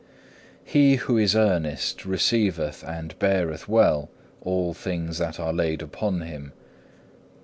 7. He who is earnest receiveth and beareth well all things that are laid upon him.